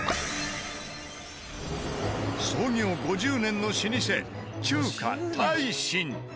創業５０年の老舗中華大新。